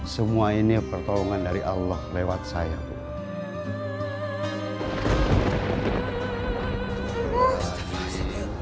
semua ini pertolongan dari allah lewat saya bu